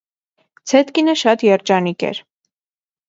Ցետկինը շատ երջանիկ էր։